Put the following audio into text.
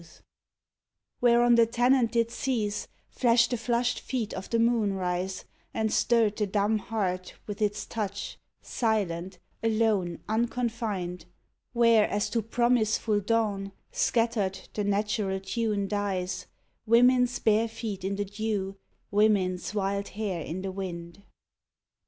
18 THE SONG OF THE SWORD Where on the tenanted seas flashed the flushed feet of the moon rise And stirred the dumb heart with its touch silent, alone, unconfined ; Where, as to promiseful dawn, scattered the natural tune dies, Women's bare feet in the dew, women's wild hair in the wind.